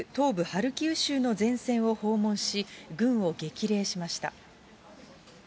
ハルキウ州の前線を訪問し、軍を激励しました。